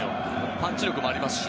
パンチ力もありますし。